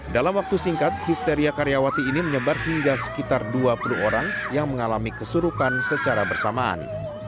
dalam waktu singkat histeria karyawati ini menyebar hingga sekitar dua puluh orang yang mengalami kesurukan secara bersamaan